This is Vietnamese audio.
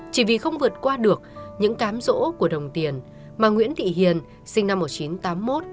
chỉ vì không vượt qua được những cám rỗ của đồng tiền mà nguyễn thị hiền sinh năm một nghìn chín trăm tám mươi một